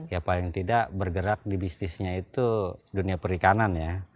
ya paling tidak bergerak di bisnisnya itu dunia perikanan ya